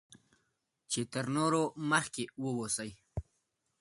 چې تر نورو مخکې واوسی